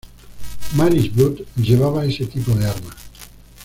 Maris Brood llevaba ese tipo de arma.